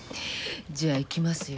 じゃあいきますよ。